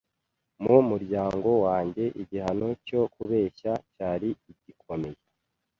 Mu muryango wanjye, igihano cyo kubeshya cyari gikomeye.